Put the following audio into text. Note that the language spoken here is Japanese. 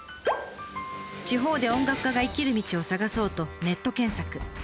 地方で音楽家が生きる道を探そうとネット検索。